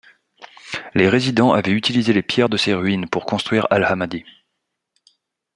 Les résidents avaient utilisé les pierres de ces ruines pour construire al-Ahmadi.